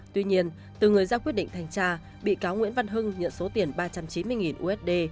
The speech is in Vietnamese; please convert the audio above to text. tuy nhiên từ người ra quyết định thanh tra bị cáo nguyễn văn hưng nhận số tiền ba trăm chín mươi usd